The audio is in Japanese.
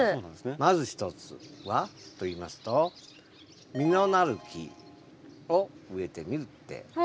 まず１つはといいますと実のなる木を植えてみるって。